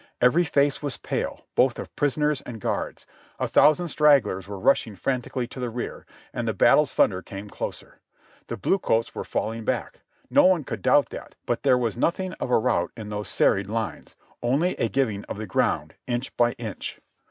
Every face was pale, both of prisoners and guards. A thousand stragglers were rushing frantically to the rear, and the battle's thunder came closer. The blue coats were falling back — no one could doubt that, but there was nothing of a rout in those serried lines, only a giving of the ground, inch by inch.